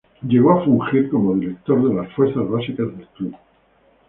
Llegó a fungir como director de las fuerzas básicas del Club.